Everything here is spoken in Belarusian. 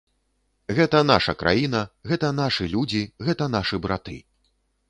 Гэта наша краіна, гэта нашы людзі, гэта нашы браты.